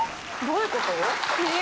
どういうこと？